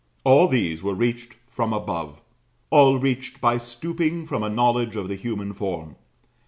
All these were reached from above, all reached by stooping from a knowledge of the human form.